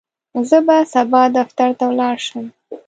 زه به سبا دفتر ته ولاړ شم.